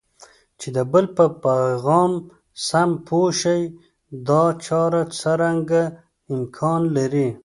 چې د بل په پیغام سم پوه شئ دا چاره څرنګه امکان لري؟